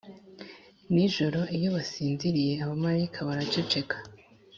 nijoro iyo basinziriye abamarayika baraceceka